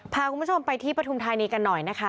พาคุณผู้ชมไปที่ปฐุมธานีกันหน่อยนะคะ